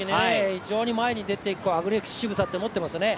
非常に前に出てアグレッシブさというのを持っていますよね。